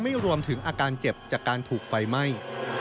ไม่รวมถึงอาการเจ็บจากการถูกไฟไหม้